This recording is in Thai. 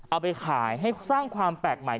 เอาไปขายให้สร้างความแปลกใหม่